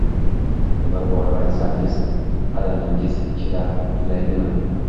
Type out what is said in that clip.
— Bir borib aytsangiz... qadamingiz kira tilaydimi?